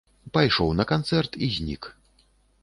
Пайшоў на канцэрт, і знік.